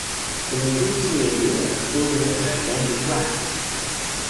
It includes the idea of building a gigantic raft.